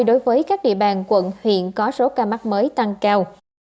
đối với các địa bàn quận huyện có số ca mắc mới tăng cao